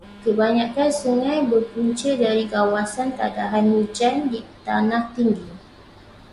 Kebanyakan sungai berpunca dari kawasan tadahan hujan di tanah tinggi.